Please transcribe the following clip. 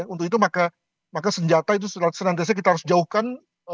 untuk itu maka senjata itu senantiasa kita harus jauhkan